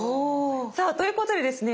さあということでですね